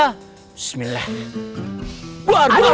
bismillah buar buar buar